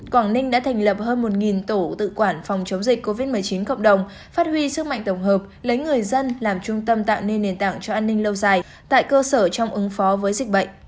quảng ninh đã thành lập hơn một tổ tự quản phòng chống dịch covid một mươi chín cộng đồng phát huy sức mạnh tổng hợp lấy người dân làm trung tâm tạo nên nền tảng cho an ninh lâu dài tại cơ sở trong ứng phó với dịch bệnh